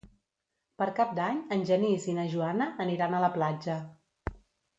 Per Cap d'Any en Genís i na Joana aniran a la platja.